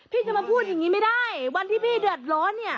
พี่จะมาพูดอย่างนี้ไม่ได้วันที่พี่เดือดร้อนเนี่ย